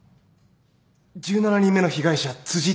１７人目の被害者辻